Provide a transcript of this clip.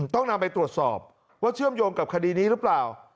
ต้องนำไปตรวจสอบว่าเชื่อมโยงกับคดีนี้หรือเปล่า